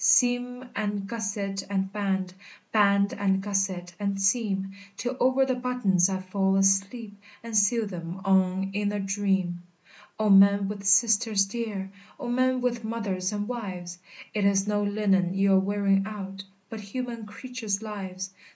Seam, and gusset, and band, Band, and gusset, and seam, Till over the buttons I fall asleep, And sew them on in a dream! "O men with sisters dear! O men with mothers and wives! It is no linen you're wearing out, But human creatures' lives!